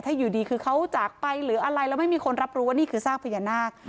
ถ้าอยู่ดีคือเขาจากไปหรืออะไรแล้วไม่มีคนรับรู้ว่านี่คือซากพญานาค